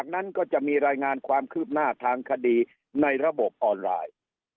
นั้นก็จะมีรายงานความคืบหน้าทางคดีในระบบออนไลน์